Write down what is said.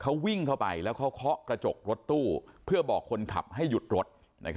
เขาวิ่งเข้าไปแล้วเขาเคาะกระจกรถตู้เพื่อบอกคนขับให้หยุดรถ